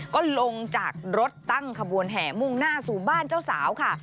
ก็ลงจากรถตั้งขบวนแห่มุ่งหน้าสู่บ้านเจ้าสาวค่ะ